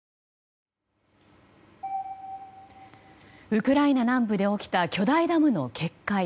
ウクライナ南部で起きた巨大ダムの決壊。